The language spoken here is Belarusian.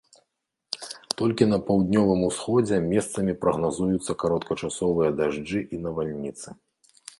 Толькі на паўднёвым усходзе месцамі прагназуюцца кароткачасовыя дажджы і навальніцы.